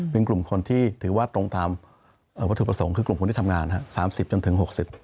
เป็นกลุ่มคนที่ถือว่าตรงตามวัตถุประสงค์คือกลุ่มคนที่ทำงาน๓๐จนถึง๖๐